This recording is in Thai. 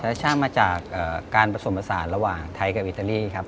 ช่างมาจากการผสมผสานระหว่างไทยกับอิตาลีครับ